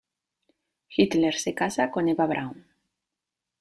Hitler se casa con Eva Braun.